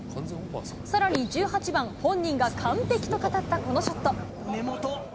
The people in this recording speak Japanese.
さらに１８番、本人が完璧と語ったこのショット。